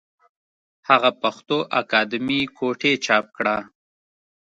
هغه پښتو اکادمي کوټې چاپ کړه